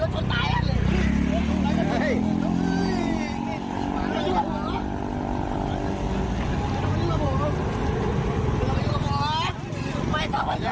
ก็จะดีกับเรา